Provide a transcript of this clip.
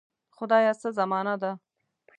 خدایه څه زمانه ده.